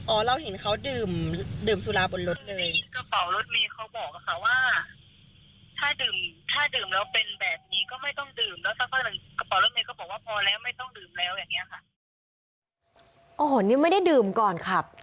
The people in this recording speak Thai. โอ้โหนี่ไม่ได้ดื่มก่อนขับ